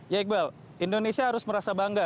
ya iqbal indonesia harus merasa bangga